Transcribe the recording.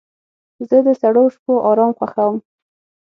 زه د سړو شپو آرام خوښوم.